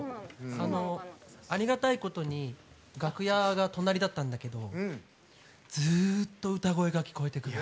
ありがたいことに楽屋が隣だったんだけどずっと歌声が聞こえてくる。